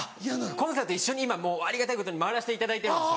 コンサート一緒に今ありがたいことに回らせていただいてるんですよ。